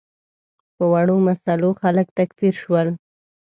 په وړو مسایلو خلک تکفیر شول.